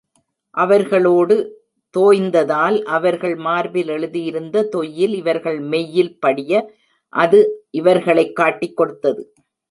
அவர்களோடு தோய்ந்ததால் அவர்கள் மார்பில் எழுதியிருந்த தொய்யில் இவர்கள் மெய்யில் படிய அது இவர்களைக் காட்டிக் கொடுத்தது.